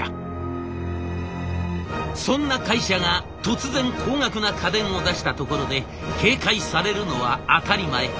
そんな会社が突然高額な家電を出したところで警戒されるのは当たり前。